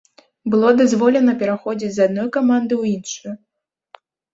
Было дазволена пераходзіць з адной каманды ў іншую.